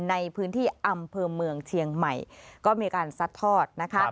ในพื้นที่อำเภอเมืองเชียงใหม่ก็มีการซัดทอดนะคะ